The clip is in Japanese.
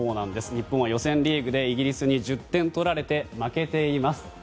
日本は予選リーグでイギリスに１０点取られて負けています。